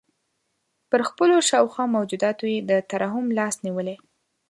پر خپلو شاوخوا موجوداتو یې د ترحم لاس نیولی.